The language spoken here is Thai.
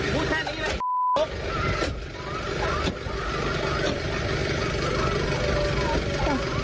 พูดแค่นี้เลย